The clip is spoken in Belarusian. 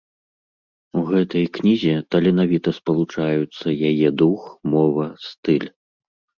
У гэтай кнізе таленавіта спалучаюцца яе дух, мова, стыль.